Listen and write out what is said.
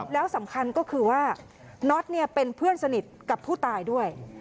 แล้วสำคัญก็คือว่าน็อตเป็นเพื่อนสนิทกับผู้ตายด้วย